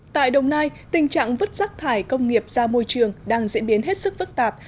tại đồng nai tình trạng vứt rác thải công nghiệp ra môi trường đang diễn biến hết sức phức tạp